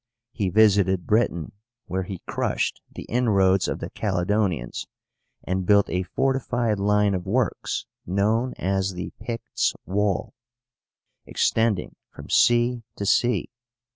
He visited Britain, where he crushed the inroads of the Caledonians and built a fortified line of works, known as the PICTS' WALL, extending from sea to sea.